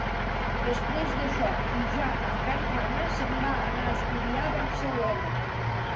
Després d'això, i ja amb gran fama, se'n va anar a estudiar a Barcelona.